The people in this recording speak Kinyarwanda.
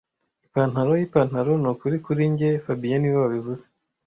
Ipantaro yipantaro nukuri kuri njye fabien niwe wabivuze